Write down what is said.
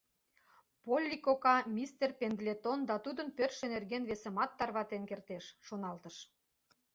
Полли кока мистер Пендлетон да тудын пӧртшӧ нерген весымат тарватен кертеш, шоналтыш.